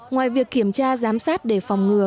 ngoài việc kiểm tra giám sát để phòng ngừa